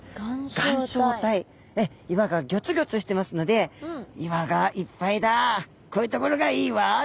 岩がギョつギョつしてますので岩がいっぱいだこういう所がいいわと。